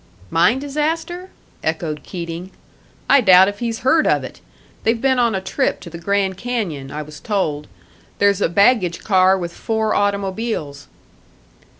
"Mine disaster?" echoed Keating. "I doubt if he's heard of it. They've been on a trip to the Grand Canyon, I was told; there's a baggage car with four automobiles."